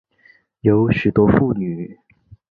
有许多妇女